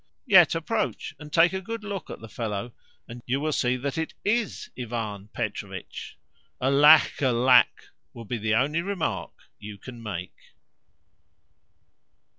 Yet approach and take a good look at the fellow and you will see that is IS Ivan Petrovitch. "Alack, alack!" will be the only remark you can make.